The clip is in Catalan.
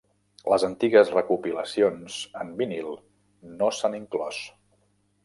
Les antigues recopilacions en vinil no s'han inclòs.